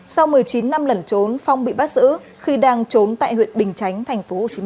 sau một mươi chín năm lẩn trốn phong bị bắt giữ khi đang trốn tại huyện bình chánh tp hcm